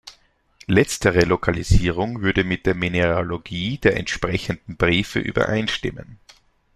Letztere Lokalisierung würde mit der Mineralogie der entsprechenden Briefe übereinstimmen.